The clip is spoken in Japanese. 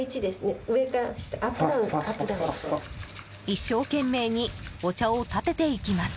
一生懸命にお茶をたてていきます。